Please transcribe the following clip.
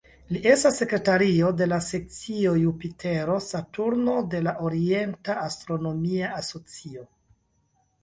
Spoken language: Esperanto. Li estas sekretario de la Sekcio Jupitero-Saturno de la Orienta Astronomia Asocio.